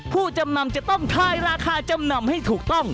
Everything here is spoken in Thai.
ผู้จำนำจะต้องทายราคาจำนำให้ถูกต้อง